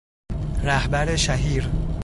رهبر شهیر